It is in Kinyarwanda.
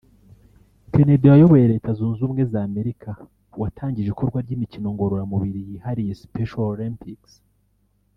Kennedy wayoboye Leta Zunze Ubumwe z’Amerika watangije ikorwa ry’imikino ngororamubiri yihariye (Special Olympics)